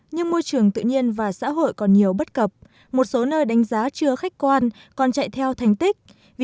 nhưng môi trường tự nhiên không thể đạt được những kết quả tích cực